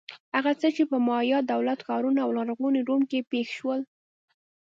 هغه څه چې په مایا دولت-ښارونو او لرغوني روم کې پېښ شول.